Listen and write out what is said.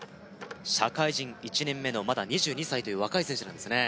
社会人１年目のまだ２２歳という若い選手なんですね